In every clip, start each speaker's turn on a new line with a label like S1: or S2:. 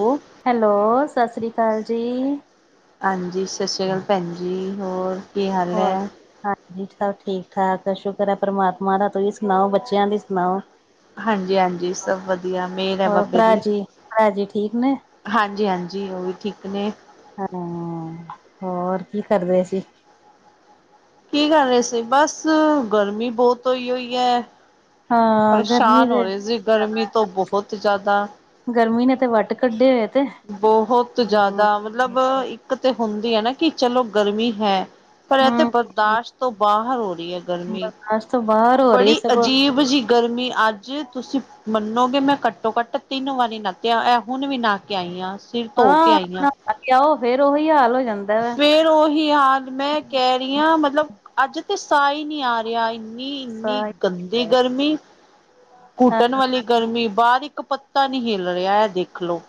S1: ਹੋ
S2: ਹੈਲੋ ਸਸ ਸ੍ਰੀ ਕਾਲ ਜੀ।
S1: ਹਾਂਜੀ ਸਸ ਸ੍ ਕਾਲ ਭੈਣ ਜੀ ਹੋਰ ਕੀ ਹਾਲ
S2: ਹੋਰ
S1: ਹੈ?
S2: ਹ ਜੀ ਸਭ ਠੀਕ ਠਾਕ ਸ਼ੁਕਰ ਐ ਪ੍ਰਮਾਤਮਾ ਦਾ ਤੁਸੀਂ ਸੁਣਾਓ, ਬੱਚਿਆਂ ਦੀ ਸੁਣਾਓ।
S1: ਹਾਂਜੀ-ਹਾਂਜੀ ਸਭ ਵਧੀਆ ਮੇਰ ਐ
S2: ਹੋਰ
S1: ਬਾਬੇ
S2: ਭਰਾ
S1: ਦੀ।
S2: ਜੀ, ਭਰਾ ਜੀ ਠੀਕ ਨੇ?
S1: ਹਾਂਜੀ ਹਾਂਜੀ ਓ ਵੀ ਠੀਕ ਨੇ।
S2: ਹਾਂ ਹੋਰ ਕੀ ਕਰ ਰਹੇ ਸੀ।
S1: ਕੀ ਕਰ ਰਹੇ ਸੀ ਬਸ ਗਰਮੀ ਬੋਤ ਹੋਈ-ਹੋਈ ਐ।
S2: ਹਾਂ, ਗਰਮੀ
S1: ਪਰੇਸ਼ਾਨ ਹੋ
S2: ਦੇ
S1: ਰਹੇ ਸੀ ਗਰਮੀ ਤੋਂ ਬੋਹਤ ਜਾਦਾ।
S2: ਗਰਮੀ ਨੇ ਤੇ ਵੱਟ ਕੱਢੇ ਹੋਏ। ਤੇ,
S1: ਬੋਹਤ ਜਾਦਾ
S2: ਹੂੰ।
S1: ਮਤਲਬ ਇੱਕ ਤੇ ਹੁੰਦੀ ਐ ਨਾ ਕਿ ਚਲੋ ਗਰਮੀ ਹੈ। ਪਰ ਐ ਤੇ
S2: ਹੂੰ,
S1: ਬਰਦਾਸ਼ਤ ਤੋਂ ਬਾਹਰ ਹੋ ਰੀ ਐ ਗਰਮੀ।
S2: ਏਸ ਤੋਂ ਬਾ
S1: ਬੜੀ ਅਜੀਬ ਜੀ ਗਰਮੀ ਅੱਜ ਤੁਸੀ ਮੰਨੋਗੇ ਮੈਂ ਘੱਟੋ ਘੱਟ ਤਿੰਨ ਵਾਰੀ ਨਾਤੀ ਆ ਐ ਹੁਣ ਵੀ ਨਾ ਕੇ ਆਈ ਆ।
S2: ਹਾਂ ਨਾ ਕੇ ਆਓ ਫੇਰ ਉਹੀ ਹਾਲ ਹੋ ਜਾਂਦਾ ਵਾ।
S1: ਫੇਰ ਉਹੀ ਹਾਲ ਮੈਂ ਕਹਿ ਰਹੀ ਹਾਂ ਮਤਲਬ ਅੱਜ ਤੇ ਸਾ ਈ ਨੀ ਆ ਰਿਆ ਈ। ਇੰਨੀ-ਇੰਨੀ ਗੰਦੀ ਗਰਮੀ ਘੂਟਣ ਵਾਲੀ ਗਰਮੀ ਬਾਰ ਇੱਕ ਪੱਤਾ ਨੀ ਹਿੱਲ ਰਿਆ ਐ ਦੇਖਲੋ।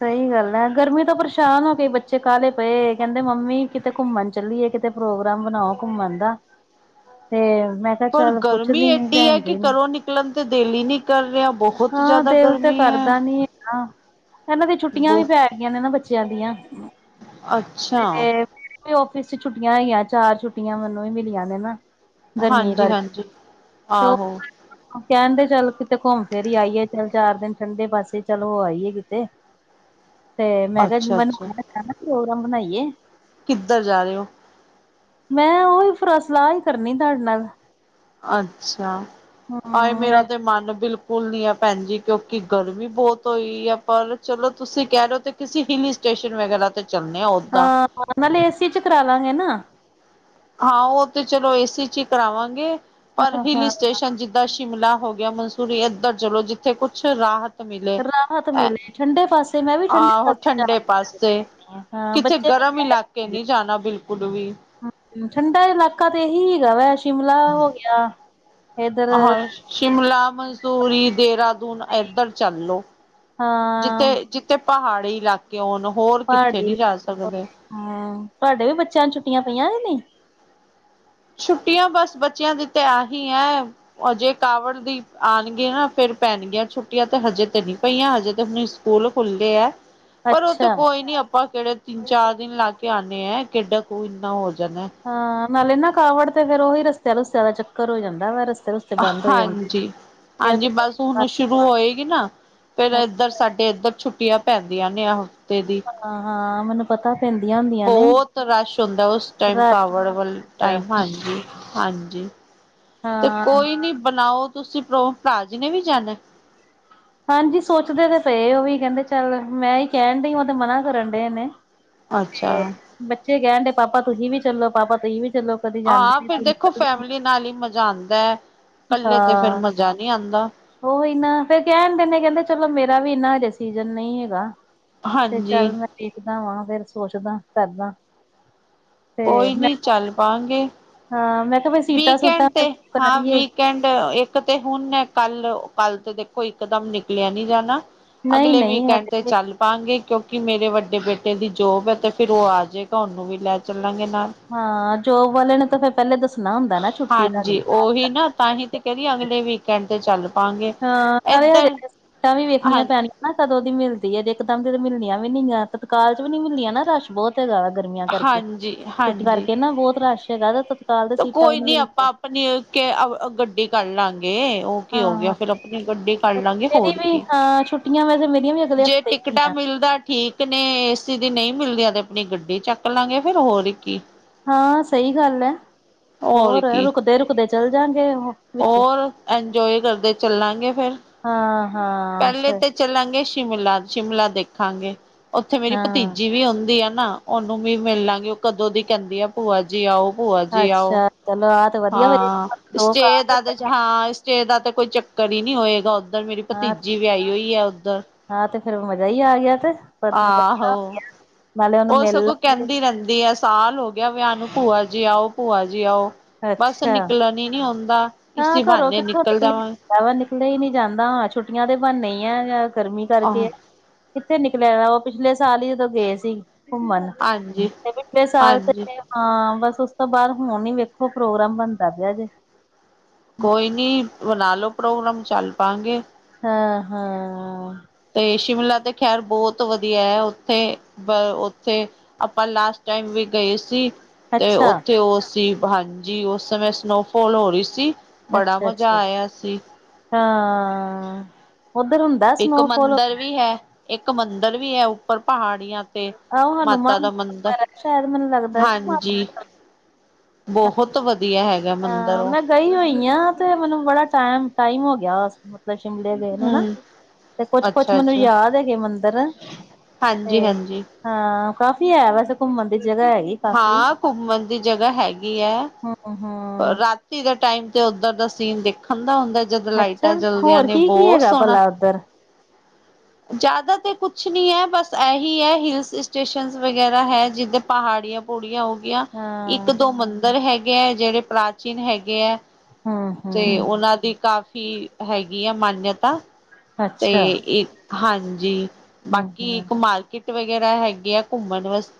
S2: ਸਈ ਗੱਲ ਐ ਗਰਮੀ ਤੋਂ ਪਰੇਸ਼ਾਨ ਹੋ ਕੇ ਬੱਚੇ ਕਾਲੇ ਪਏ ਕਹਿੰਦੇ ਮੰਮੀ ਕਿਤੇ ਘੁੰਮਣ ਚੱਲੀਏ ਕਿਤੇ ਪ੍ਰੋਗਰਾਮ ਬਣਾਓ ਘੁੰਮਣ ਦਾ ਤੇ ਮੈਂ ਕਿਹਾ
S1: ਪਰ
S2: ਚੱਲ
S1: ਗਰਮੀ
S2: ਪੁੱਛਦੀ
S1: ਏਡੀ ਐ
S2: ਭੈਣ
S1: ਕੇ
S2: ਜੀ ਨੂੰ
S1: ਘਰੋਂ ਨਿਕਲਣ ਤੇ ਦੇਲ ਈ ਨੀ ਕਰ ਰਿਹਾ ਬੋਹਤ ਜਾਦਾ ਗਰਮੀ ਐ।
S2: ਹਾਂ ਐਨਾ ਦੀ ਛੁੱਟੀਆਂ ਵੀ ਪੈ ਗਈਆ ਨੇ ਨਾ ਬੱਚਿਆ ਦੀਆ।
S1: ਅੱਛਾ।
S2: ਕੇ ਔਫਿਸ ਚ ਛੁੱਟੀਆ ਹੈਈਆ ਚਾਰ ਛੁੱਟੀਆ ਮੈਨੂੰ ਵੀ ਮਿਲੀਆ ਨੇ ਨਾ। ਗਰਮੀ
S1: ਹਾਂਜੀ
S2: ਕਰ
S1: ਹਾਂਜੀ
S2: [inaudible] ਤੇ ਓ
S1: ਆਹੋ
S2: ਕੇਣਦੇ ਚੱਲ ਕਿਤੇ ਘੁੰਮ ਫਿਰ ਹੀ ਆਈਏ ਚੱਲ ਚਾਰ ਦਿਨ ਠੰਡੇ ਪਾਸੇ ਚੱਲ ਹੋ ਆਈਏ ਕਿ ਤੇ ਮੈਂ ਕਿਆ
S1: ਅੱਛਾ ਅੱਛਾ
S2: [inaudible] ਪ੍ਰੋਗਰਾਮ ਬਣਾਈਏ।
S1: ਕਿੱਧਰ ਜਾ ਰੇ ਹੋ?
S2: ਮੈਂ ਉਹੀ ਫਰ ਸਲਾਹ ਈ ਕਰਨੀ ਤੁਹਾਡੇ ਨਾਲ।
S1: ਅੱਛਾ, ਆਏ
S2: ਹਮ
S1: ਮੇਰਾ ਮਨ ਬਿਲਕੁਲ ਨੀ ਐ ਭੈਣ ਜੀ, ਕਿਉਂਕਿ ਗਰਮੀ ਬੋਤ ਹੋਈ ਐ। ਪਰ ਚਲੋ ਤੁਸੀਂ ਕੈ ਰੈ ਓ ਤੇ ਕਿਸੇ ਹਿਲੀ ਸਟੇਸ਼ਨ ਵਗੈਰਾ ਤੇ ਚੱਲਣੇ ਆਂ ਓਟ
S2: ਹਾਂ ਨਾਲੇ ਏਸੀ 'ਚ ਕਰਾਲਾਂ ਗੇ ਨਾ।
S1: ਹਾਂ ਓ ਤੇ ਚਲੋ ਏ ਸੀ 'ਚ ਈ ਕਰਾਵਾਂਗੇ, ਪਰ
S2: ਹਾਂ
S1: ਹਿਲੀ
S2: ਹਾਂ
S1: ਸਟੇਸ਼ਨ ਜਿੱਦਾ ਜਿੱਦਾ ਸ਼ਿਮਲਾ ਹੋ ਗਿਆ, ਮਨਸੂਰੀ ਏਧਰ ਚਲੋ ਜਿੱਥੇ ਕੁੱਛ ਰਾਹਤ ਮਿਲੇ।
S2: ਰਾਹਤ ਮਿਲੇ। ਠੰਡੇ ਪਾਸੇ ਮੈਂ ਵੀ ਠੰਡੇ
S1: ਆਹੋ
S2: ਪਾਸੇ
S1: ਠੰਡੇ ਪਾਸੇ।
S2: ਜਾ ਹਾਂ
S1: ਕਿਥੇ
S2: ਬੱਚੇ ਵੀ
S1: ਗਰਮ
S2: ਕਹਿ
S1: ਇਲਾਕੇ
S2: ਰਹੇ
S1: ਨੀ ਜਾਣਾ ਬਿਲਕੁਲ ਵੀ।
S2: ਠੰਡਾ ਇਲਾਕਾ ਤੇ ਏਹੀ ਹੈਗਾ ਵੈ ਸ਼ਿਮਲਾ ਹੋ ਗਿਆ। ਇਧਰ
S1: ਆਹ ਸ਼ਿਮਲਾ, ਮਸੂਰੀ, ਦੇਹਰਾਦੂਨ ਏਧਰ ਚੱਲ ਲੋ।
S2: ਹਾਂ
S1: ਜਿੱਥੇ ਜਿੱਥੇ ਪਹਾੜੀ ਇਲਾਕੇ ਹੋਣ, ਹੋਰ ਕਿੱਥੇ ਨੀ ਜਾ ਸਕਦੇ।
S2: ਹਾਂ ਤੁਆਡੇ ਵੀ ਬੱਚਿਆਂ ਨੂੰ ਛੁੱਟੀਆਂ ਪਈਆਂ ਕੇ ਨਈ।
S1: ਛੁੱਟੀਆਂ ਬਸ ਬੱਚਿਆਂ ਦੀ ਤੇ ਆਹੀਂ ਐਂ। ਹਜੇ ਕਾਵੜ ਦੀ ਆਣਗੀਆ ਨਾ ਫੇਰ ਪੈਣ ਗੀਆਂ ਛੁੱਟੀਆਂ, ਤੇ ਹਜੇ ਤੇ ਨਈ ਪਈਆਂ ਹਜੇ ਤੇ ਹੁਣ ਸਕੂਲ ਖੁੱਲ੍ਹੇ ਐ। ਪਰ ਓ ਤਾਂ
S2: ਅੱਛਾ
S1: ਕੋਈ ਨੀ ਆਪਾਂ ਕੇੜੇ ਤਿੰਨ ਚਾਰ ਦਿਨ ਲਾ ਕੇ ਆਨੇ ਐ, ਕਿੱਡਾ ਕੁ ਇੰਨਾ ਹੋ ਜਨਾ।
S2: ਹਾਂ ਨਾਲੇ ਨਾ ਕਾਵੜ ਤੇ ਫੇਰ ਓਹੀ ਰਸਤੇ ਰੁੱਸਤਿਆ ਦਾ ਚੱਕਰ ਹੋ ਜਾਂਦਾ ਵਰ। ਰਸਤੇ ਰੁਸਤੋ
S1: ਹਾਂਜੀ, ਹਾਂਜੀ ਬਸ ਹੁਣ ਓ ਸ਼ੁਰੂ ਹੋਏਗੀ ਨਾ ਫੇਰ ਏਧਰ
S2: ਹਾਂ-ਹਾਂ,
S1: ਸਾਡੇ ਏਧਰ ਛੁੱਟੀਆਂ ਪੈਂਦੀਆਂ ਨੇ। ਤੇ ਦੀ,
S2: ਮੈਨੂੰ ਪਤਾ ਪੈਂਦੀਆਂ ਹੁੰਦੀਆਂ ਨੇ।
S1: ਬੋਤ ਰਸ਼ ਹੁੰਦਾ, ਉਸ ਟਾਈਮ
S2: ਰਾਤ
S1: ਕਾਵੜ ਵੱਲ। ਟਾਈਮ, ਹਾਂਜੀ ਹਾਂਜੀ। ਤੇ
S2: ਹਾਂ,
S1: ਕੋਈ ਨੀ ਬਣਾਓ ਤੁਸੀਂ ਪਰੋ, ਭਰਾ ਜੀ ਨੇ ਵੀ ਜਾਣਾ।
S2: ਹਾਂਜੀ ਸੋਚਦੇ ਤੇ ਪਏ ਓ ਵੀ ਕੈੈਦੇ ਚੱਲ, ਮੈਂ ਈ ਕੈਣ ਡਈ ਓ ਤੇ ਮਨਾ ਕਰਨ ਡਏ ਨੇ।
S1: ਅੱਛਾ
S2: ਤੇ ਬੱਚੇ ਕੈਣ ਡੇ ਪਾਪਾ ਤੁਸੀਂ ਵੀ ਚੱਲੋ, ਪਾਪਾ ਤੁਸੀਂ ਵੀ ਚੱਲੋ ਕਦੀ ਜਾਂਦੇ ਨੀ ਤੁਸੀਂ।
S1: ਲੀ ਨਾਲ ਈ ਮਜ਼ਾ ਆਂਦਾ। ਕੱਲੇ ਤੇ ਫੇਰ ਮਜ਼ਾ ਨੀ ਆਂਦਾ।
S2: ਓਹੀ ਨਾ ਫੇਰ ਕੈਣ ਦਏ ਨੇ ਕੈਂਦੇ ਚਲੋ ਮੇਰਾ ਵੀ ਏਨਾ ਹਜੇ ਸੀਜਨ ਨਈ ਹੈਗਾ। ਤੇ ਚੱਲ
S1: ਹਾਂਜੀ
S2: ਮੈਂ ਵੇਖਦਾ ਵਾਂ, ਫੇਰ ਸੋਚਦਾ, ਕਰਦਾ। ਤੇ
S1: ਕੋਈ
S2: ਮੈਂ
S1: ਨੀ ਚੱਲ ਪਾਂਗੇ
S2: ਹਾਂ ਮੈਂ ਕਿਆ ਸੀਟਾਂ ਸੂਟਾ ਤਾਂ ਬੁੱਕ ਕਰਾ ਲੀਏ।
S1: ਕੈਣ ਡਏ ਇੱਕ ਤੇ ਹੁਣ ਕੱਲ ਕੱਲ ਤੇ ਦੇਖੋ ਇਕ ਦਮ ਨਿਕਲਿਆ ਨੀ ਜਾਣਾ। ਅਗਲੇ
S2: ਨਹੀਂ-ਨਹੀਂ
S1: ਵੀਕ ਐਂਡ ਤੇ
S2: ਹਜੇ
S1: ਚੱਲ ਪਾਂਗੇ ਕਿਉਂਕਿ ਮੇਰੇ ਵੱਡੇ ਬੇਟੇ ਦੀ ਜੋਬ ਐ, ਤੇ ਫੇਰ ਓ ਆ ਜੇਗਾ ਓਨੂੰ ਵੀ ਲੈ ਚੱਲਾਂਗੇ ਨਾਲ।
S2: ਹਾਂ ਜੋਬ ਵਾਲੇ ਨੂੰ ਤਾਂ ਫੇਰ ਪੈਲੇ ਦੱਸਣਾ ਹੁੰਦਾ ਨਾ ਛੁੱਟੀ ਦਾ।
S1: ਓਹੀ ਨਾ ਤਾਂਹੀ ਤੇ ਕੈ ਰੀ ਅਗਲੇ ਵੀਕ ਐਂਡ ਤੇ ਚੱਲ ਪਾਂਗੇ
S2: ਹਾਂ ਨਾਲੇ ਹਲੇ
S1: ਇੱਧਰ
S2: ਤੇ ਸੀਟਾਂ ਵੀ ਵੇਖਣੀਆਂ
S1: ਹਾਂ
S2: ਪੈਣੀਆਂ। ਨਾ ਕਦੋਂ ਦੀ ਮਿਲਦੀ ਏ ਤੇ ਇੱਕਦਮ ਦੀ ਮਿਲਣੀਆਂ ਵੀ ਨੀ ਆ। ਤਤਕਾਲ 'ਚ ਵੀ ਨੀ ਮਿਲਣੀਆਂ ਨਾ ਰਸ਼ ਬੋਤ ਹੈਗਾ ਵਾ ਗਰਮੀਆਂ ਕਰਕੇ,
S1: ਹਾਂਜੀ
S2: ਛੁੱਟੀ
S1: ਹਾਂਜੀ
S2: ਕਰਕੇ ਨਾ ਬੋਤ ਰਸ਼ ਹੈਗਾ ਤੇ ਤਤ ਤਤਕਾਲ ਤੇ ਸੀਟਾਂ ਵੀ ਨੀ ਮਿਲ ਦੀਆਂ।
S1: ਆਪਨੀ ਕੇ ਆ ਆ ਗੱਡੀ ਕਰ ਲਾਂਗੇ। ਓ ਕੀ ਹੋ ਗਿਆ,
S2: ਹਾਂ
S1: ਫੇਰ ਆਪਣੀ ਗੱਡੀ ਕਰ ਲਾਂਗੇ ਹੋਰ ਕੀ।
S2: ਆ ਛੁੱਟੀਆਂ ਵੈਸੇ ਮੇਰੀਆਂ ਵੀ ਅਗਲੇ
S1: ਜੇ
S2: ਹਫ਼ਤੇ ਹੀ
S1: ਟਿਕਟਾਂ
S2: ਆ
S1: ਮਿਲਦਾ ਠੀਕ ਨੇ ਏ ਸੀ ਦੀ ਨਈ ਮਿਲਦੀਆਂ ਤੇ, ਆਪਣੀ ਗੱਡੀ ਚੱਕ ਲਾਂਗੇ ਫੇਰ ਹੋਰ ਕੀ।
S2: ਹਾਂ ਸਈ ਗੱਲ ਐ ਹੋਰ ਰੁਕਦੇ- ਰੁਕਦੇ ਚੱਲ ਜਾਂਗੇ ਉਹ। ਵਿੱਚ
S1: ਹੋਰ, ਇੰਜੋਏ ਕਰਦੇ ਚੱਲਾਂਗੇ ਫੇਰ।
S2: ਹਾਂ-ਹਾਂ, ਸ
S1: ਚੱਲਾਂਗੇ ਸ਼ਿਮਲਾ, ਸ਼ਿਮਲਾ ਦੇਖਾਂਗੇ ਉੱਥੇ ਮੇਰੀ
S2: ਹਾਂ
S1: ਭਤੀਜੀ ਵੀ ਹੁੰਦੀ ਐ ਨਾ। ਉਹਨੂੰ ਵੀ ਮਿਲ ਲਾਂਗੀ ਉਹ ਕਦੋਂ ਦੀ ਕਹਿੰਦੀ ਆ ਭੂਆ ਜੀ ਆਓ, ਭੂਆ ਜੀ ਆਓ।
S2: ਅੱਛਾ ਚਲੋ ਐ
S1: ਹਾਂ ਸਟੇ ਦਾ ਤੇ ਇਦੇ 'ਚ, ਹਾਂ ਸਟੇ ਦਾ ਤੇ ਕੋਈ ਚੱਕਰ ਹੀ ਨਹੀਂ ਹੋਏਗਾ ਓਦ ਉਧਰ ਮੇਰੀ
S2: ਹਾਂ
S1: ਭਤੀਜੀ ਵਿਆਹੀ ਹੋਈ ਹੈ, ਉੱਧਰ
S2: ਹਾਂ, ਤੇ ਫੇਿਰ ਮਜ਼ਾ ਹੀ ਆ ਗਿਆ ਤੇ ਪਤਾ ਨੀ ਲੱਗਦਾ
S1: ਆਹੋ,
S2: ਨਾਲੇ ਉਹਨੂੰ
S1: ਉਹ
S2: ਮਿਲ
S1: ਸਗੋਂ
S2: ਲਾਂਗੇ
S1: ਕਹਿੰਦੀ ਰਹਿੰਦੀ ਆ ਸਾਲ ਹੋ ਗਿਆ ਵਿਆਹ ਨੂੰ ਭੂਆ ਜੀ ਆਓ, ਭੂਆ ਜੀ ਆਓ ਬਸ
S2: ਅੱਛਾ
S1: ਨਿਕਲਣ ਹੀ ਨੀ ਹੁੰਦਾ।
S2: ਹਾਂ,
S1: ਇਸੀ
S2: ਘਰੋਂ
S1: ਬਹਾਨੇ
S2: ਕਿੱਥੋਂ
S1: ਨਿਕਲ
S2: ਨਿਕਲੀ
S1: ਜਾਵਾਂਗੇ
S2: ਬਾਹਰ ਨਿਕਲਿਆ ਹੀ ਨਹੀਂ ਜਾਂਦਾਂ, ਛੁੱਟੀਆਂ ਦੇ ਬਾਨੇ ਈ ਹੈ ਜਾਂ ਗਰਮੀ
S1: ਆਹ
S2: ਕਰਕੇ ਕਿੱਥੇ ਨਿਕਲਿਆ ਉਹ ਪਿਛਲੇ ਸਾਲ ਹੀ ਜਦੋਂ ਗਏ ਸੀ ਘੁੰਮਣ,
S1: ਹਾਂਜੀ
S2: [inaudible] ਪਿਛਲੇ ਸਾਲ
S1: ਹਾਂਜੀ
S2: ਤੇ ਹਾਂ, ਬਸ ਉਸ ਤੋਂ ਬਾਅਦ ਹੁਣ ਈ ਵੇਖੋ ਪ੍ਰੋਗਰਾਮ ਬਣਦਾ ਪਿਆ ਜੇ।
S1: ਕੋਈ ਨੀ ਬਣਾ ਲਓ ਪ੍ਰੋਗਰਾਮ, ਚੱਲ ਪਾਾਂਗੇ।
S2: ਹਾਂ, ਹਾਂ।
S1: ਤੇ ਸ਼ਿਮਲਾ ਤੇ ਖੈਰ ਬਹੁਤ ਵਧੀਆ ਹੈ, ਉੱਥੇ ਬ ਉੱਥੇ ਆਪਾਂ ਲਾਸਟ ਟਾਈਮ ਵੀ ਗਏ ਸੀ। ਤੇ
S2: ਅੱਛਾ
S1: ਉੱਥੇ ਉਹ ਸੀ ਹਾਂਜੀ, ਉਸ ਸਮੇਂ ਸਨੋਫੋਾਲ ਹੋ ਰਹੀ ਸੀ। ਬੜਾ ਮਜ਼ਾ
S2: ਅੱਛਾ-ਅੱਛਾ
S1: ਆਇਆ ਸੀ
S2: [inaudible] ਹਾਂ ਉਧਰ ਹੁੰਦੇ
S1: ਇੱਕ ਮੰਦਿਰ ਵੀ ਹੈ, ਇੱਕ ਮੰਦਿਰ ਵੀ ਹੈ ਉੱਪਰ ਪਹਾੜੀਆਂ ਤੇ
S2: ਆਹੋ ਹਨੂੰਮਾਨ
S1: ਮਾਤਾ ਮੰਦਰ,
S2: ਸ਼ਾਇਦ ਮੈਨੂੰ ਲੱਗਦਾ ਕਿ
S1: ਹਾਂਜੀ। ਬਹੁਤ ਵਧੀਆ ਹੈਗਾ। ਮੰਦਿਰ
S2: ਹਾਂ,
S1: ਉਹ
S2: ਮੈਂ ਗਈ ਹੋਈ ਹਾਂ ਤੇ ਮੈਨੂੰ ਬੜਾ ਟਮ ਟਾਈਮ ਹੋ ਗਿਆ ਵੱਸ ਸ਼ਿਮਲੇ ਗਏ ਹਨਾ
S1: ਹਮ
S2: ਤੇ ਕੁੱਛ-ਕੁੱਛ
S1: ਅੱਛਾ
S2: ਮੈਨੂੰ ਯਾਦ ਹੈਗੇ ਮੰਦਿਰ। ਤੇ
S1: ਹਾਂਜੀ-ਹਾਂਜੀ।
S2: ਹਾਂ ਕਾਫ਼ੀ ਹੈ, ਵੈਸੇ ਘੁੰਮਣ ਦੀ ਜਗ੍ਹਾ ਹੈ।
S1: ਹਾਂ ਘੁੰਮਣ ਦੀ ਜਗ੍ਹਾ ਹੈਗੀ ਹੈ,
S2: ਹਮ ਹਮ
S1: ਰਾਤੀ ਦਾ ਟਾਈਮ ਤੇ ਉੱਧਰ ਦਾ ਸੀਨ ਦੇਖਣ ਦਾ ਹੁੰਦਾ, ਜਦੋਂ
S2: ਅੱਛਾ
S1: ਲਾਈਟਾਂ ਚਲਦੀਆਂ
S2: ਹੋਰ
S1: ਨੇ
S2: ਕੀ ਕੀ
S1: ਬਹੁਤ
S2: ਹੈਗਾ
S1: ਸੋਹਣਾ
S2: ਭਲਾ ਉੱਧਰ
S1: ਜ਼ਿਆਦਾ ਤੇ ਕੁਛ ਨੀ ਹੈ, ਬਸ ਇਹੀ ਹੈ ਹਿਲਸ ਸਟੇਸ਼ਨ ਵਗੈਰਾ ਹੈ, ਜਿੱਦ ਪਹਾੜੀਆਂ ਪ ਪੂੜੀਆਂ ਹੋ ਗਈਆਂ, ਇੱਕ
S2: ਹਾਂ
S1: ਦੋ ਮੰਦਿਰ ਹੈਗੇ ਹੈ, ਜਿਹੜੇ ਪ੍ਰਾਚੀਨ ਹੈਗੇ ਹੈ।
S2: ਹਮ
S1: ਤੇ'
S2: ਹਮ
S1: ਉਹਨਾਂ ਦੀ ਕਾਫ਼ੀ ਹੈਗੀ ਆ ਮਾਨਯਤਾ। ਤੇ'
S2: ਅੱਛਾ
S1: ਇਹ ਹਾਂਜੀ,
S2: ਹਮ
S1: ਬਾਕੀ
S2: ਹਮ
S1: ਕੁ ਮਾਰਕ ਕਿਟ ਵਗੈਰਾ ਹੈਗੇ ਆ, ਘੁੰਮਣ ਵਾਸਤੇ।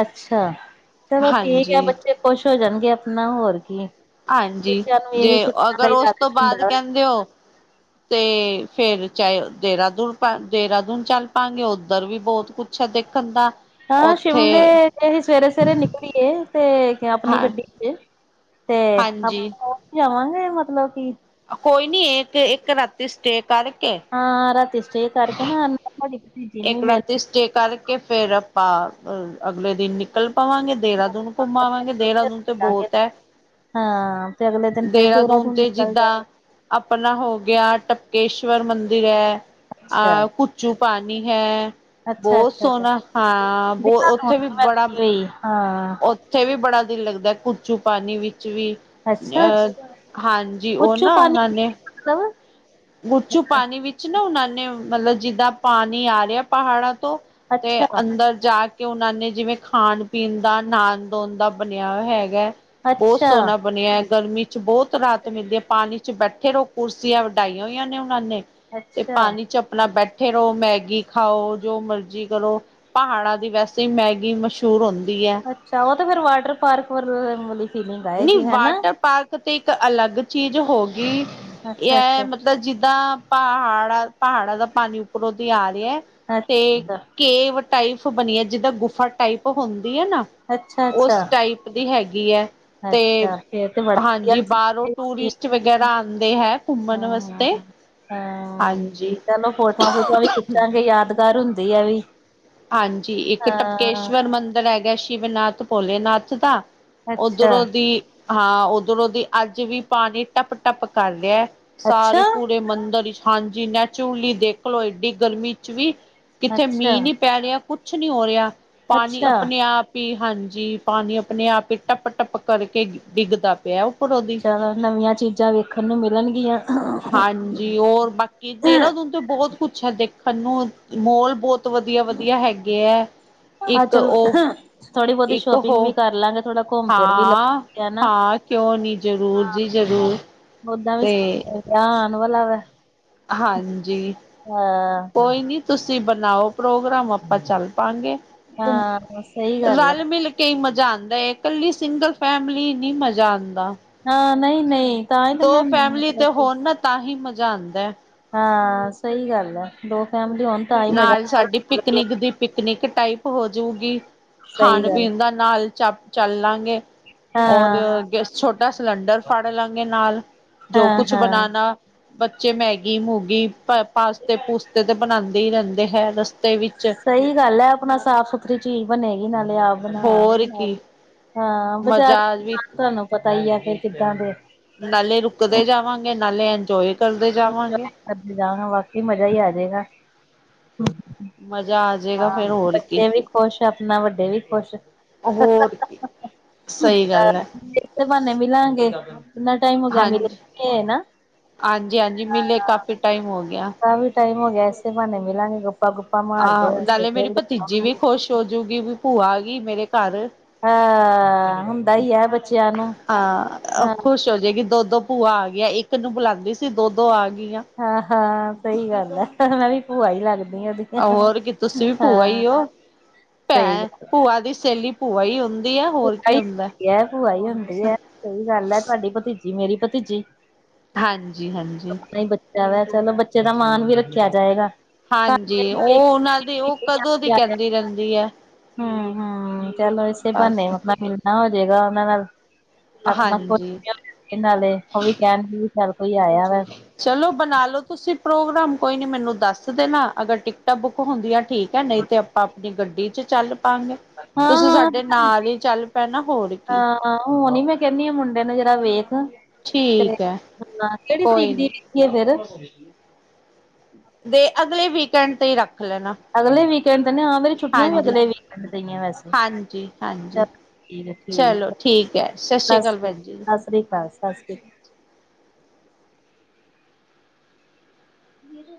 S2: ਅੱਛਾ, ਚਲੋ ਠੀਕ ਆ
S1: ਹਾਂਜੀ
S2: ਬੱਚੇ ਖੁਸ਼ ਹੋ ਜਾਣਗੇ ਆਪਣਾ ਹੋਰ ਕੀ।
S1: ਹਾਂਜੀ,
S2: ਬੱਚਿਆਂ ਨੂੰ
S1: ਜੇ
S2: ਇਹੀ ਛੁੱਟੀਆਂ ਦਾ
S1: ਅਗਰ
S2: ਹੀ
S1: ਉਸ ਤੋਂ
S2: ਲਾਲਚ
S1: ਬਾਅਦ
S2: ਹੁੰਦਾ
S1: ਕਹਿੰਦੇ ਹੋ ਤੇ ਫੇਰ ਚਾਹੇ ਦੇਹਰਾਦੂਨ ਪ ਦੇਹਰਾਦੂਨ ਚੱਲ ਪਾਂਗੇ ਉੱਧਰ ਵੀ ਬਹੁਤ ਕੁ ਅੱਛਾ, ਦੇਖਣ ਦਾ
S2: ਹਾਂ,
S1: ਉੱਥੇ
S2: ਸ਼ਿਮਲੇ ਅਸੀਂ ਸਵੇਰੇ-ਸਵੇਰੇ ਨਿਕਲੀਏ ਤੇ ਕ ਆਪਣੀ
S1: ਹਾਂ
S2: ਗੱਡੀ ਚ। [inaudible] ਤੇ, ਆਪ
S1: ਹਾਂਜੀ
S2: ਹੋ ਹੀ ਜਾਵਾਂਗੇ ਮਤਲਬ ਕੀ।
S1: ਕੋਈ ਨੀ ਇੱਕ, ਇੱਕ ਰਾਤੀ ਸਟੇ ਕਰਕੇ
S2: ਹਾਂ, ਰਾਤੀ ਸਟੇ ਕਰਕੇ ਨਾ [unintelligible]
S1: ਇੱਕ
S2: ਮਿਲ
S1: ਰਾਤੀ ਸਟੇ ਕਰਕੇ, ਫੇਰ ਆਪਾਂ ਅਗਲੇ ਦਿਨ ਨਿਕਲ ਪਵਾਂਗੇ। ਦੇਹਰਾਦੂਨ ਘੁੰਮਾਵਾਂਗੇ, ਦੇਹਰਾਦੂਨ ਤੇ
S2: ਲਾਂਗੇ
S1: ਬਹੁਤ ਹੈ।
S2: ਹਾਂ ਤੇ ਅਗਲੇ ਦਿਨ ਫੇਰ
S1: ਦੇਰਰਾਦੂਨ
S2: ਦੇਹਰਾਦੂਨ
S1: ਤੇ
S2: ਨਿਕਲ
S1: ਜਿੱਦਾਂ
S2: ਜਾਗੇ
S1: ਆਪਣਾ ਹੋ ਗਿਆ ਟਪਕੇਸ਼ਵਰ ਮੰਦਿਰ ਐ
S2: ਅੱਛਾ
S1: ਅਹ ਕੁਚੂ ਪਾ ਹੈ
S2: ਅੱਛਾ
S1: ਬੋਤ
S2: ਅੱਛਾ ਅੱਛਾ
S1: ਸੋਹਣਾ, ਹਾਂ ਬੋ ਓਥੇ ਵੀ ਬੜਾ
S2: ਕੀ ਹਾਂ
S1: ਓਥੇ ਵੀ ਬੜਾ ਦਿਲ ਲੱਗਦਾ ਕੁਚੂਪਾਨੀ ਵਿੱਚ ਵੀ
S2: ਅੱਛਾ
S1: ਅਹ, ਹਾਂਜੀ ਓ
S2: ਪੁੱਛੂ
S1: ਨਾ
S2: ਪਾਣੀ
S1: ਉਨਾਂ ਨੇ
S2: ਮਤਲਬ
S1: ਗੁਚੂਪਾਨੀ ਵਿੱਚ ਨਾ ਉਨਾਂ ਨੇ ਮਤਲਬ ਜਿੱਦਾਂ ਪਾਨੀ ਆ ਰੈਆ ਪਹਾੜਾਂ ਤੋ, ਤੇ
S2: ਅੱਛਾ
S1: ਅੰਦਰ ਜਾ ਕਿ ਉਨਾਂ ਨੇ ਜਿਵੇਂ ਖਾਣ-ਪੀਣ ਦਾ, ਨਾਨ-ਦੋਨ ਦਾ ਬਣਿਆ ਓ ਹੈਗਾ। ਬੋਤ
S2: ਅੱਛਾ
S1: ਸੋਹਣਾ ਬਣਿਆ ਐ, ਗਰਮੀ ਚ ਬੋਤ ਰਾਤ ਮਿਲਦੀ ਐ ਪਾਨੀ ਚ ਬੈਠੇ ਰਹੋ ਕੁਰਸੀਆਂ ਡਾਈਆਂ ਹੋਈਆਂ ਨੇ ਉਹਨਾਂ ਨੇ ਤੇ
S2: ਅੱਛਾ
S1: ਪਾਨੀ ਚ ਅਪਣਾ ਬੈਟ ਫੇਰ ਓਹ ਮੈਗੀ ਖਾਓ ਜੋ ਮਰਜ਼ੀ ਕਰੋ ਪਹਾੜਾਂ ਦੀ ਵੈਸੇ ਈ ਮੈਗੀ ਮਸ਼ੂਰ ਹੁੰਦੀ ਐ।
S2: ਅੱਛਾ ਓ ਤੇ ਫਿਰ ਵਾਟਰ-ਪਾਰਕ [unintelligible]
S1: ਨੀ ਵਾਟਰ ਪਾਰਕ ਤੇ ਏਕ ਅਲੱਗ ਚੀਜ਼ ਹੋਗੀ,
S2: ਅੱਛਾ
S1: ਏਹ
S2: ਅੱਛਾ
S1: ਮਤਲਬ ਜਿੱਦਾਂ ਪਾਹਾੜਾ-ਪਾਹਾੜਾਂ ਦਾ ਪਾਨੀ ਉੱਪਰੋਂ ਦੀ ਆ ਰੇਯਾ।
S2: [unintelligible]
S1: ਕੇ, ਕੇਵ ਟਾਈਫ ਬਣੀਏ ਜਿੱਦਾਂ ਗੁਫਾ ਟਾਈਪ ਹੁੰਦੀ ਐ ਨਾ।
S2: ਅੱਛਾ ਅੱਛਾ ਅੱਛਾ
S1: ਓਸ ਟਾਈਪ ਦੀ ਹੈਗੀ ਐ। ਤੇ
S2: ਅੱਛਾ ਫੇਰ ਤੇ ਬੜਾ
S1: ਹਾਂਜੀ ਬਾਰੋਂ
S2: ਵਧੀਆ
S1: ਟੂਰਿਸਟ ਵਗੈਰਾ ਆਂਦੇਂ ਹੈ ਕੁੰਮਣ ਵਸਤੇ।
S2: ਅਮ ਚਲੋ ਫੋਟੋਆਂ ਫੂਟੂਆਂ ਵੀ ਖਿੱਚਾਂਗੇ ਯਾਦਗਾਰ ਹੁੰਦੀ ਏਹ ਵੀ।
S1: ਹਾਂਜੀ ਇੱਕ
S2: ਹਾਂ
S1: ਟਪਕੇਸ਼ਵਰ ਮੰਦਰ ਹੈਗਾ ਸ਼ਿਵਨਾਥ ਭੋਲੇਨਾਥ ਦਾ।
S2: ਅੱਛਾ
S1: ਓਧਰੋਂ ਦੀ, ਹਾਂ ਓੱਧਰੋਂ ਦੀ ਅੱਜ ਵੀ ਪਾਨੀ ਟੱਪ-ਟੱਪ ਕਰ ਰਿਆ। ਸਾਰੇ
S2: ਅੱਛਾ
S1: ਪੂਰੇ ਮੰਦਰ ਇਚ ਹਾਂਜੀ ਨਚੂਲੂਲੀ ਦੇਖਲੋ ਏਡੀ ਗਰਮੀ ਚ ਵੀ। ਕਿੱਥੇ
S2: ਅੱਛਾ
S1: ਮੀਂ ਨੀ ਪੈ ਰੇਆ ਕੁਛ ਨੀ ਹੋ ਰੇਆ, ਪਾਨੀ
S2: ਅੱਛਾ
S1: ਆਪਣੇ ਆਪ ਪੀ ਹਾਂਜੀ ਪਾਨੀ ਆਪਣੇ ਆਪ ਟੱਪ-ਟੱਪ ਕਰਕੇ ਡਿੱਗਦਾ ਪਿਆ ਓਪਰੋਂ ਦੀ।
S2: ਹੈਨਾ ਨਵੀਆਂ ਚੀਜ਼ਾਂ ਵੇਖਣ ਨੂੰ ਮਿਲਣਗੀਆਂ।
S1: ਹਾਂਜੀ ਔਰ ਬਾਕੀ ਦੇਰਾਦੂਨ ਤੇ ਬੋਹਤ ਕੁਛ ਐ ਦੇਖਣ ਨੂੰ ਮੋਲ ਬੋਤ ਤ ਵਧੀਆ-ਵਧੀਆ ਹੈਗੇ ਐ।
S2: ਹਾਂ
S1: ਇੱਕ
S2: ਚਲੋ
S1: ਓ,
S2: ਥੋੜ੍ਹੀ ਬਹੁਤੀ
S1: ਇੱਕ ਹੋ
S2: ਸ਼ੋਪਿੰਗ ਵੀ ਕਰ ਲਾਂਗੇ ਥੋੜਾ ਘੁੰਮ ਫਿਰ ਵੀ
S1: ਹਾਂ।
S2: ਲੱਗੇ ਹਨਾ
S1: ਹਾਂ ਕਿਓ ਨੀ ਜਰੂਰ
S2: ਹਾਂ
S1: ਜੀ ਜਰੂਰ।
S2: ਓਦਾਂ ਵੀ [unintelligible] ਆਣ ਵਾਲਾ ਵੇ।
S1: ਹਾਂਜੀ, ਕੋਈ ਨੀ ਤੁਸੀਂ ਬਣਾਓ ਪ੍ਰੋਗਰਾਮ ਆਪਾਂ ਚੱਲ ਪਾਗੇ ਕੁਮ
S2: ਹਾਂ ਸਹੀ ਗੱਲ ਹੈ
S1: ਰਲ-ਮਿਲ ਤੇਈ ਮਜ਼ਾ ਆਂਦਾ ਏ ਕੱਲੀ ਸਿੰਗਲ ਫੈਮਲੀ ਨੀ ਮਜ਼ਾ ਆਂਦਾ।
S2: ਹਾਂ ਨਈਂ-ਨਈਂ
S1: ਦੋ ਫੈਮਲੀ ਤੇ ਹੋਣ ਨਾ ਤਾਂ ਹੀ ਮਜ਼ਾ ਆਂਦਾ।
S2: ਹਾਂ ਸਈ ਗੱਲ ਐ ਦੋ ਫੈਮਲੀ ਹੋਣ ਤਾਂ ਹੀ ਮਜ਼ਾ
S1: ਨਾਲ਼ ਸਾਡੀ
S2: ਆਉਂਦਾ।
S1: ਪਿੱਕਨਿੱਕ ਦੀ ਪਿੱਕਨਿੱਕ ਟਾਈਪ ਹੋਜੂਗੀ,
S2: ਸਹੀ ਗੱਲ
S1: ਖਾਣ-ਪੀਣ ਦਾ ਨਾਲ਼ ਚਪ, ਚੱਲਾਂਗੇ। ਔਰ
S2: ਹਾਂ
S1: ਛੋਟਾ ਸਿਲੰਡਰ ਫੜ ਲਾਂਗੇ ਨਾਲ਼, ਜੋ
S2: ਹਾਂ
S1: ਕੁਛ
S2: ਹਾਂ
S1: ਬਨਾਨਾ। ਬੱਚੇ ਮੈਗੀ-ਮੂਗੀ, ਪਾਸਤੇ-ਪੂਸਤੇ ਤੇ ਬਣਾਦੇ ਦੇ ਰੇਂਦੇ ਹੈ ਰਸਤੇ ਵਿੱਚ।
S2: ਸਹੀ ਗੱਲ ਐ ਆਪਣਾ ਸਾਫ਼- ਸੁਥਰੀ ਚੀਜ਼ ਬਣੇਗੀ ਨਾਲ਼ੇ ਆਪ ਬਣਾਵਾਂਗੇ
S1: ਹੋਰ
S2: ਨਾਲ
S1: ਕੀ
S2: ਹਾਂ ਬਜ਼ਾਰ
S1: ਮਜ਼ਾ ਵੀ
S2: ਤੁਆਨੂੰ ਪਤਾ ਈ ਐ ਫਿਰ ਕਿੱਦਾਂ ਦੇ
S1: ਨਾਲੇ ਰੁਕਦੇ ਜਾਵਾਂਗੇ ਨਾਲੇ ਇੰਜੋਏ ਕਰਦੇ ਜਾਵਾਂਗੇ।
S2: ਅੱਗੇ ਜਾਣਾ ਵਾਕੀ ਮਜ਼ਾ ਈ ਆ ਜਾਏਗਾ।
S1: ਮਜ਼ਾ ਆਜੇਗਾ
S2: ਹਾਂ
S1: ਫਿਰ ਹੋਰ ਕੀ,
S2: ਬੱਚੇ ਵੀ ਖੁਸ਼ ਆਪਣਾ ਵੱਡੇ ਵੀ ਖੁਸ਼
S1: ਹੋਰ ਕੀ ਸਹੀ
S2: ਐ
S1: ਗੱਲ ਹੈ
S2: ਇਸ ਬਹਾਨੇ ਮਿਲਾਂਗੇ, ਕਿੰਨਾ ਟਾਈਮ ਹੋ ਗਿਆ ਮਿਲ ਕੇ ਨਾ
S1: ਆਜੀ-ਹਾਜੀ ਮਿਲੇ ਕਾਫੀ ਟਾਈਮ ਹੋ ਗਿਆ।
S2: ਕਾਫ਼ੀ ਟਾਈਮ ਹੋ ਗਿਆ ਐਸੇ, ਬਹਾਨੇ ਮਿਲਾਂਗੇ ਗੁਪਾ- ਗੁਪਾ
S1: ਆਹੋ ਨਾਲੇ ਮੇਰੀ ਭਤੀਜੀ ਵੀ ਖੁਸ਼ ਹੋਜੂਗੀ ਵੀ ਭੂਆ ਆ ਗਈ ਮੇਰੇ ਘਰ।
S2: ਹਾਂ ਹੁੰਦਾ ਹੀ ਹੈ ਬੱਚਿਆਂ ਨੂੰ
S1: ਹਾਂ ਅ
S2: ਹਾਂ
S1: ਖੁਸ਼ ਹੋ ਜਾਏਗੀ ਦੋ-ਦੋ ਭੂਆ ਆ ਗਿਆ ਇੱਕ ਨੂੰ ਬੁਲਾਦੀ ਸੀ ਦੋ-ਦੋ ਆ ਗਈਆਂ।
S2: ਹਾਂ-ਹਾਂ ਸਹੀ ਗੱਲ ਐ। ਮੈ ਵੀ ਭੂਆ ਲੱਗਦੀਆਂ ਈਦੀ।
S1: ਹੋਰ ਕੀ ਤੁਸੀਂ ਵੀ ਭੂਆ ਈਓ,
S2: ਸਹੀ
S1: ਭੈ
S2: ਗੱਲ
S1: ਭੂਆ ਦੀ ਸਹੇਲੀ ਭੂਆ ਈ ਹੁੰ ਦੀ ਐ, ਹੋਰ
S2: ਭੂਆ
S1: ਕੀ
S2: ਹੀ
S1: ਹੁੰਦਾ ਐ।
S2: ਹੁੰਦੀ ਹੈ ਭੂਆ ਹੀ ਹੁੰਦੀ ਐ, ਸਹੀ ਗੱਲ ਐ, ਤੁਹਾਡੀ ਭਤੀਜੀ ਮੇਰੀ ਭਤੀਜੀ
S1: ਹਾਂਜੀ- ਹਾਂਜੀ।
S2: ਮੈ ਕਿਆ ਚਲੋ ਬੱਚੇ ਦਾ ਮੰਨ ਵੀ ਰੱਖਿਆ ਜਾਏਗਾ।
S1: ਹਾਂਜੀ, ਉਹ ਉਹਨਾਂ ਦੀ ਉਹ ਕਦੋਂ ਦੀ ਕਹਿੰਦੀ ਰਹਿੰਦੀ ਐ।
S2: ਹੂੰ-ਹੂੰ ਚਲੋ ਇਸੇ
S1: ਬਸ
S2: ਬਾਹਨੇ ਮਲਲਿਣਾ ਹੋਜੇ ਗਾ ਉਹਨਾਂ ਨਾਲ। ਆਪਣਾ ਕੁਛ
S1: ਹਾਂਜੀ
S2: ਇਹ ਨਾਲੇ ਉਹ ਵੀ ਕਹਿਣਗੇ ਵੀ ਚੱਲ ਕੋਈ ਆਇਆ ਵਾ।
S1: ਚਲੋ ਬਣਾ ਲੋ ਤੁਸੀਂ ਪ੍ਰੋਗਰਾਮ ਕੋਈ ਨੀ ਮੈਨੂੰ ਦੱਸ ਦੇਣਾ, ਅਗਰ ਟਿਕਟਾਂ ਬੁੱਕ ਹੁੰਦੀਆਂ ਠੀਕ ਐ ਨਈ ਤੇ ਆਪਾਂ ਆਪਣੀ ਗੱਡੀ ਚ ਚੱਲ ਪਾਗੇ। ਤੁਸੀਂ
S2: ਹਾਂ
S1: ਸਾਡੇ ਨਾਲ ਹੀ ਚੱਲ ਪੈਣਾ ਹੋਰ ਕੀ।
S2: ਹਾਂ ਹੂ ਨੀ ਮੈਂ ਕਹਿੰਦੀ ਆ ਮੁੰਡੇ ਨੂੰ ਜ਼ਰਾ ਵੇਖ, ਤੇ
S1: ਠੀਕ ਹੈ
S2: ਹ ਕਿਹੜੀ
S1: ਕੋਈ
S2: ਤਰੀਕ ਦੀ?
S1: ਨੀ
S2: ਕੀ ਐ ਫੇਰ
S1: ਦੇ ਅਗਲੇ ਵੀਕਐਂਡ ਤੇ ਰੱਖ ਲੈਣਾ।
S2: ਅਗਲੇ ਵੀਕਐਂਡ ਤੇ ਨ, ਹਾਂ ਮੇਰੀ ਛੁੱਟੀਆਂ ਵੀ
S1: ਹਾਂਜੀ
S2: ਅਗਲੇ ਵੀਕੈਡ ਤੇ ਈਐ ਵੈਸੇ।
S1: ਹਾਂਜੀ ਹਾਂਜੀ
S2: ਠੀਕ
S1: ਚਲੋ
S2: ਏ-ਠੀਕ,
S1: ਠੀਕ ਹੈ ਸਤਿ ਸ਼੍ਰੀ
S2: ਸਸ
S1: ਅਕਾਲ
S2: ਸ੍ਰੀ,
S1: ਭੈਣ ਜੀ
S2: ਸਸ ਸ੍ਰੀ ਕਾਲ, ਸਸ ਸ਼੍ਰੀ ਵੀਰੇ